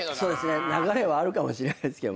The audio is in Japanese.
流れはあるかもしれないですけど。